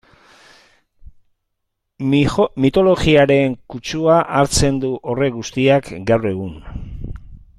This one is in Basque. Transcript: Mitologiaren kutsua hartzen du horrek guztiak gaur egun...